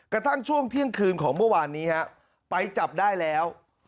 กระทั่งช่วงเที่ยงคืนของเมื่อวานนี้ฮะไปจับได้แล้ว